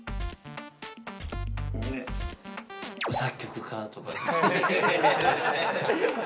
作曲家とか？